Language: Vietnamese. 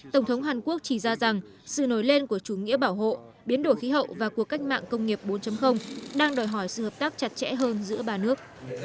tổng thống hàn quốc chỉ ra rằng sự nổi lên của chủ nghĩa bảo hộ biến đổi khí hậu và cuộc cách mạng công nghiệp bốn đang đòi hỏi sự hợp tác chặt chẽ hơn giữa ba nước